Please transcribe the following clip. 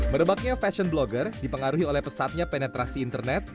merebaknya fashion blogger dipengaruhi oleh pesatnya penetrasi internet